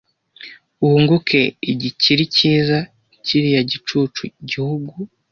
Wunguke igikiri cyiza - kiriya gicucu-gihugu!